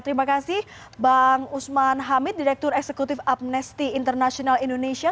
terima kasih bang usman hamid direktur eksekutif amnesty international indonesia